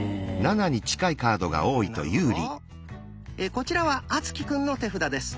こちらは敦貴くんの手札です。